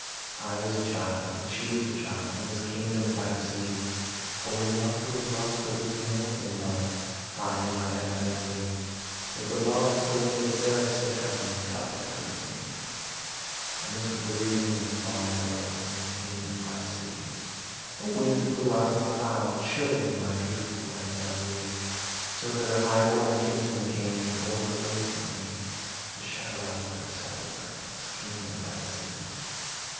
I was a child and she was a child, In this kingdom by the sea, But we loved with a love that was more than love, I and my Annabel Lee; With a love that the wing├©d seraphs of heaven Coveted her and me. And this was the reason that, long ago, In this kingdom by the sea, A wind blew out of a cloud, chilling My beautiful Annabel Lee; So that her highborn kinsmen came And bore her away from me, To shut her up in a sepulchre In this kingdom by the sea.